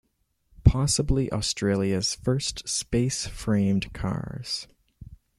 Possibly Australia's first space-framed cars.